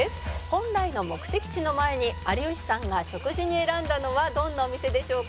「本来の目的地の前に有吉さんが食事に選んだのはどんなお店でしょうか？」